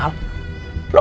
kayak begini loh al